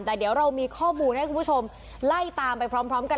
แต่เดี๋ยวเรามีข้อมูลให้คุณผู้ชมไล่ตามไปพร้อมกัน